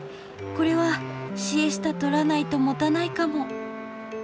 これはシエスタとらないともたないかも。